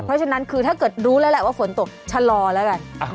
เพราะฉะนั้นคือถ้าเกิดรู้แล้วแหละว่าฝนตกชะลอแล้วกัน